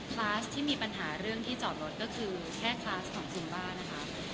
คลาสที่มีปัญหาเรื่องที่จอดรถก็คือแค่คลาสของคุณบ้านะคะ